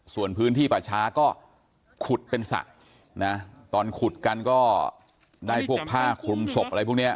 ส่วนพื้นที่ป่าช้าก็ขุดเป็นสระนะตอนขุดกันก็ได้พวกผ้าคุมศพอะไรพวกนี้